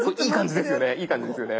いい感じですよね。